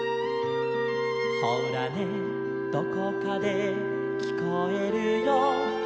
「ほらねどこかできこえるよ」